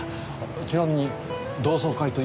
ちなみに同窓会というのは？